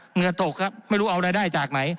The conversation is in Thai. เหงื่อตกครับไม่รู้เอารายได้จากไหน